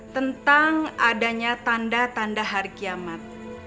tentang adanya tanda tanda hari kiamat